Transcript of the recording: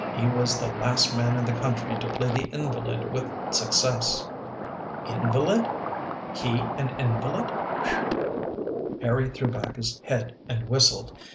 " He was the last man in the country to play the invalid with success." " Invalid ! He an invalid ! whew ..." Harry threw back his head and whistled.